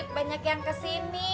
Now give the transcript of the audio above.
banyak yang kesini